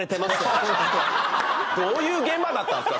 どういう現場だったんですか？